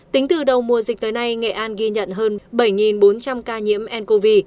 tính từ đầu mùa dịch tới nay nghệ an ghi nhận hơn bảy bốn trăm linh ca nhiễm ncov